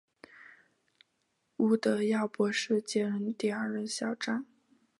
吴德耀博士接任第二任校长。